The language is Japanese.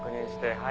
はい。